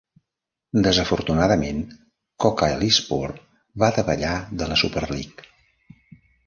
Desafortunadament, Kocaelispor va davallar de la Superlig.